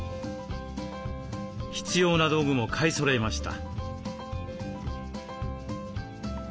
必要な道具も買いそろえました。